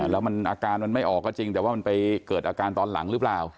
แล้วมันอาการมันไม่ออกก็จริงแต่ว่ามันไปเกิดอาการตอนหลังหรือเปล่า